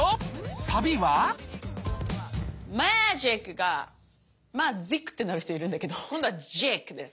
サビはマージックがマジックってなる人いるんだけど今度はジックです。